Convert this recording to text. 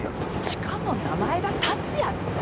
しかも名前が達也って。